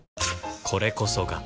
これこそが